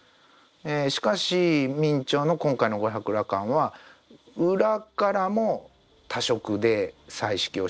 しかし明兆の今回の「五百羅漢」は裏からも多色で彩色をしている。